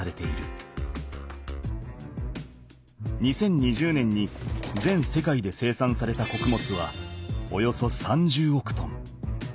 ２０２０年に全世界で生産されたこくもつはおよそ３０億トン。